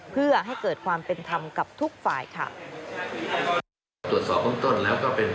เพื่อให้เกิดความเป็นธรรมกับทุกฝ่ายค่ะ